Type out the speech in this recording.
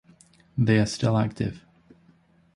They are still active.